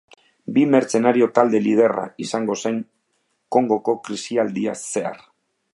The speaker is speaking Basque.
Bi mertzenario talde liderra izan zen Kongoko krisialdia zehar.